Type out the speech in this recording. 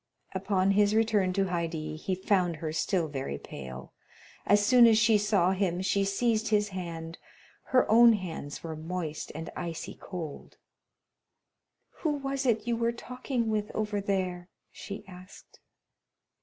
Upon his return to Haydée he found her still very pale. As soon as she saw him she seized his hand; her own hands were moist and icy cold. "Who was it you were talking with over there?" she asked.